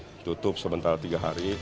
jadi kita harus ditutup sebentar tiga hari